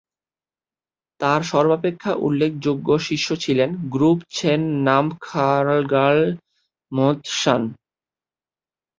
তার সর্বাপেক্ষা উল্লেখযোগ্য শিষ্য ছিলেন গ্রুব-ছেন-নাম-ম্খা'-র্গ্যাল-ম্ত্শান